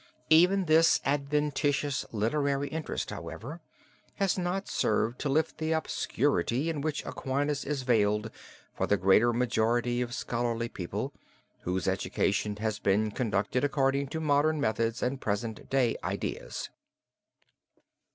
Even this adventitious literary interest, however, has not served to lift the obscurity in which Aquinas is veiled for the great majority of scholarly people, whose education has been conducted according to modern methods and present day ideas.